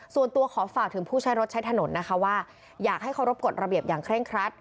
ส่วนตัวขอฝากถึงผู้ใช้รถใช้ถนนนะคะว่าอยากให้เคารพกฎระเบียบอย่างเคร่งครัด